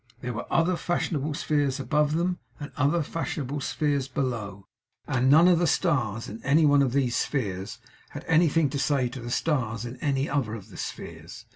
There were other fashionable spheres above them, and other fashionable spheres below, and none of the stars in any one of these spheres had anything to say to the stars in any other of these spheres.